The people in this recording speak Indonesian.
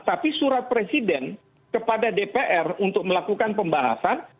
tapi surat presiden kepada dpr untuk melakukan pembahasan